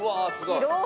広い！